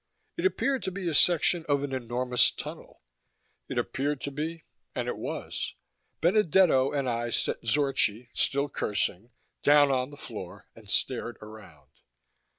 It appeared to be a section of an enormous tunnel; it appeared to be, and it was. Benedetto and I set Zorchi still cursing down on the floor and stared around.